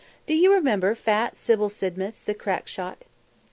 Do you remember fat Sybil Sidmouth, the crack shot?"